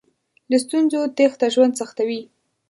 له ستونزو تېښته ژوند سختوي.